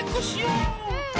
うん！